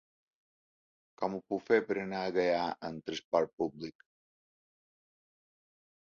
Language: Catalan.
Com ho puc fer per anar a Gaià amb trasport públic?